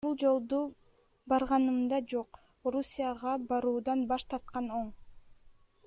А бул жолку барганымда, жок, Орусияга баруудан баш тарткан оң.